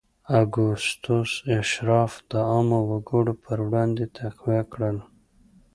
اګوستوس اشراف د عامو وګړو پر وړاندې تقویه کړل